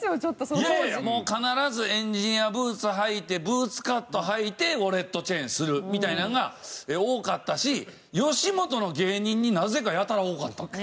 いやいやもう必ずエンジニアブーツ履いてブーツカットはいてウォレットチェーンするみたいなのが多かったし吉本の芸人になぜかやたら多かった。